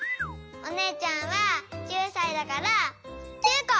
おねえちゃんは９さいだから９こ！